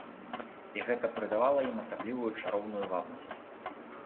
І гэта прыдавала ім асаблівую чароўную вабнасць.